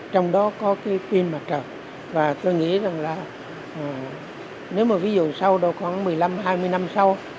trong đó có cái pin mặt trời và tôi nghĩ rằng là nếu mà ví dụ sau đó khoảng một mươi năm hai mươi năm sau